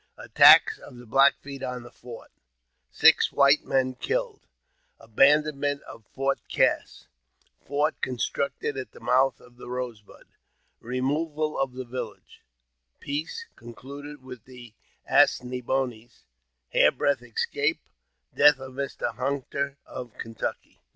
Attacks of the Black Feet oa the Fort — Six White Men killed— Abandon ment of Fort Cass — Fort constructed at the Mouth of the "Eose Bud" — Removal of the Village — Peace concluded with the As ne boines — Hairbreadth Escape — Death of Mr. Hunter, of Kentucky.